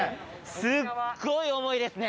すっごい重いですね。